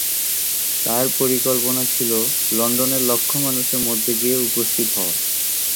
তার পরিকল্পনা ছিল লন্ডনের লক্ষ মানুষের মধ্যে গিয়ে উপস্থিত হওয়া।